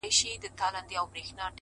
سترگي مي ړندې سي رانه وركه سې;